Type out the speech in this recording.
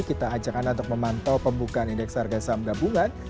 kita ajak anda untuk memantau pembukaan indeks harga saham gabungan